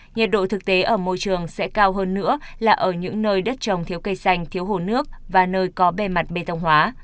nhiệt độ thực tế ở môi trường sẽ cao hơn nữa là ở những nơi đất trồng thiếu cây xanh thiếu hồ nước và nơi có bề mặt bê tông hóa